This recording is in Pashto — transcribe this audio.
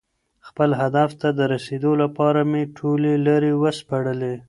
خپل هدف ته د رسېدو لپاره مې ټولې لارې وسپړلې.